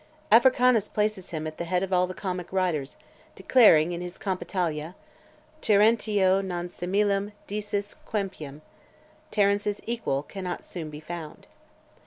Afranius places him at the head of all the comic writers, declaring, in his Compitalia, Terentio non similem dices quempiam. Terence's equal cannot soon be found.